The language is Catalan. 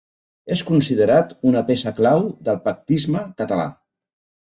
És considerat una peça clau del pactisme català.